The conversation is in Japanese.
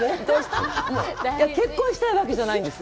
結婚したいわけじゃないんです。